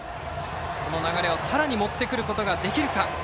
その流れをさらに持ってくることができるか。